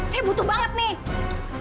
saya butuh banget nih